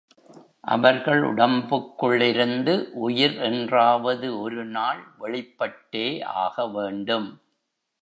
அவர்கள் உடம்புக்குள்ளிருந்து உயிர் என்றாவது ஒரு நாள் வெளிப்பட்டே ஆக வேண்டும்.